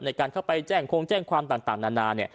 ในการเข้าไปแจ้งคงแจ้งความต่างนานา